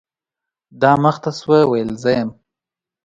دا مخ ته شوه ، ویل زه یم .